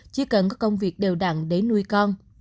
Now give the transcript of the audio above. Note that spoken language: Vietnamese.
chỉ cần có công việc đều đặn để nuôi con